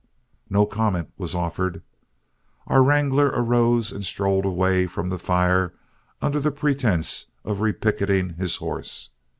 '" No comment was offered. Our wrangler arose and strolled away from the fire under the pretense of repicketing his horse.